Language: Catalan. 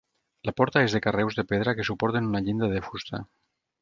La porta és de carreus de pedra que suporten una llinda de fusta.